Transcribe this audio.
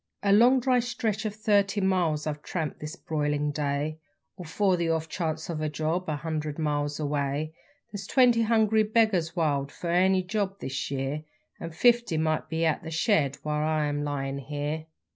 A long dry stretch of thirty miles I've tramped this broilin' day, All for the off chance of a job a hundred miles away; There's twenty hungry beggars wild for any job this year, An' fifty might be at the shed while I am lyin' here.